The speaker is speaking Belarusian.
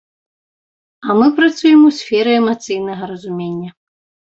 А мы працуем у сферы эмацыйнага разумення.